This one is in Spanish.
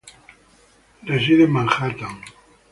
Reside en Manhattan.